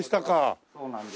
そうなんですよ。